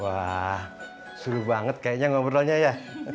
wah seru banget kayaknya ngobrolnya ya